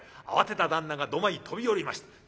慌てた旦那が土間へ飛び降りました。